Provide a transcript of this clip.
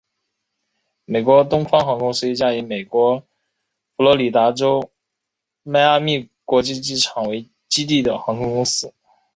美国东方航空是一家以美国佛罗里达州迈阿密国际机场为基地的航空公司。